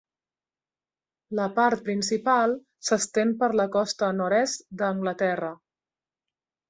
La part principal s'estén per la costa nord-est d'Anglaterra.